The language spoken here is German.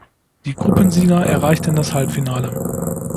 Die Gruppensieger erreichten das Halbfinale.